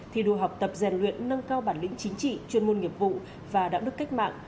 thi đua học tập rèn luyện nâng cao bản lĩnh chính trị chuyên môn nghiệp vụ và đạo đức cách mạng